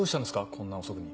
こんな遅くに。